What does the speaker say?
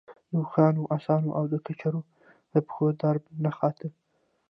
د اوښانو، آسونو او د کچرو د پښو دربا نه خته.